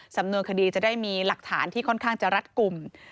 สำนวนคดีจะได้มีหลักฐานที่ค่อนข้างจะรัดกลุ่ม